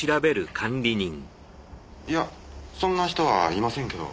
いやそんな人はいませんけど。